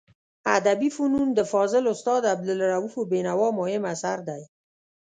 ادبي فنون د فاضل استاد عبدالروف بینوا مهم اثر دی.